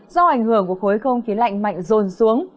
do ảnh hưởng của khối không khí lạnh mạnh rồn xuống